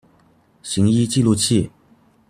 行醫記錄器